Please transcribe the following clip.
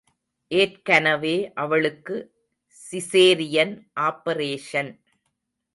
ஏற்கனவே, அவளுக்கு caesarean operation.